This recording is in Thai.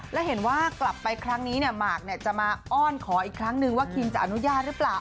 และเห็นว่ากลับไปครั้งนี้หมากจะมาอ้อนขออีกครั้งนึงว่าคิมจะอนุญาตหรือเปล่า